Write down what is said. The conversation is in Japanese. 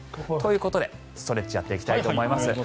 ということでストレッチやっていきたいと思います。